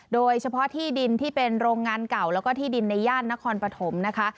โดยเฉพาะที่ดินที่เป็นโรงงานเก่าแล้วก็ที่ดินในย่านนครปฐมนะคะ